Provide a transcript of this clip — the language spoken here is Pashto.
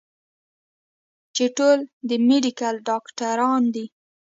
چې ټول د ميډيکل ډاکټران دي